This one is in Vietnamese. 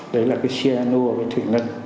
đấy là cái xia nua cái thủy ngân